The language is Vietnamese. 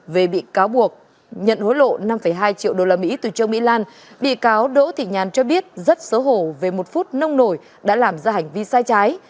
về bị cáo buộc nhận hối lộ năm hai triệu usd từ trương mỹ lan bị cáo đỗ thị nhàn cho biết rất xấu hổ về một phút nông nổi đã làm ra hành vi sai trái